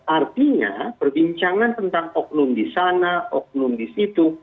artinya perbincangan tentang oknum di sana oknum di situ